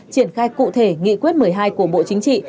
triển khai cụ thể nghị quyết một mươi hai của bộ chính trị